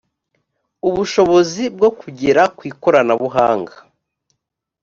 ubushobozi bwo kugera ku ikoranabuhanga